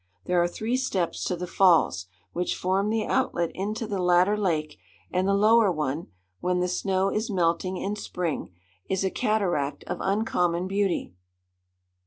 There are three steps to the falls, which form the outlet into the latter lake; and the lower one, when the snow is melting in spring, is a cataract of uncommon beauty.